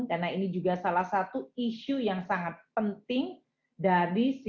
karena ini juga salah satu isu yang sangat penting dari sisi ekonomi